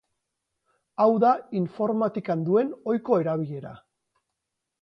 Hau da informatikan duen ohiko erabilera.